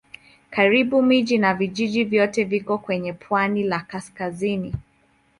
Karibu miji na vijiji vyote viko kwenye pwani la kaskazini.